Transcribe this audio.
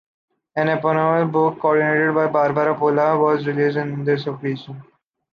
An eponymous book, coordinated by Barbara Polla, was released on this occasion.